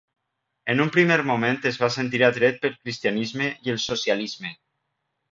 En un primer moment es va sentir atret pel cristianisme i el socialisme.